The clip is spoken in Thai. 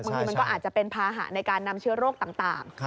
บางทีมันก็อาจจะเป็นภาหะในการนำเชื้อโรคต่าง